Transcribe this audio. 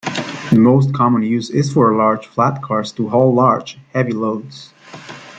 The most common use is for large flatcars to haul large, heavy loads.